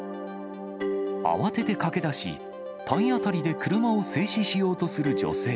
慌てて駆け出し、体当たりで車を制止しようとする女性。